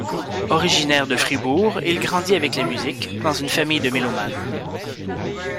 Originaire de Fribourg, il grandit avec la musique, dans une famille de mélomanes.